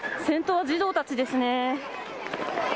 先頭は児童たちですね。